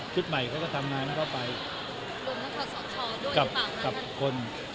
ชุดใหม่เขาก็ทำหน้าเข้าไปกับคน